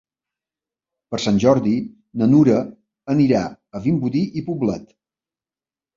Per Sant Jordi na Nura anirà a Vimbodí i Poblet.